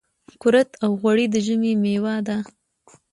کورت او غوړي د ژمي مېوه ده .